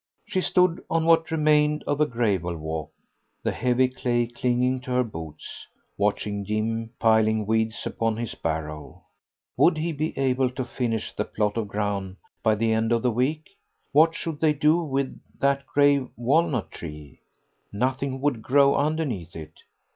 She stood on what remained of a gravel walk, the heavy clay clinging to her boots, watching Jim piling weeds upon his barrow. Would he be able to finish the plot of ground by the end of the week? What should they do with that great walnut tree? Nothing would grow underneath it.